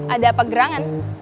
ada apa gerangan